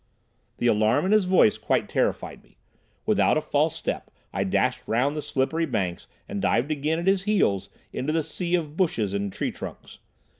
The alarm in his voice quite terrified me. Without a false step I dashed round the slippery banks and dived again at his heels into the sea of bushes and tree trunks.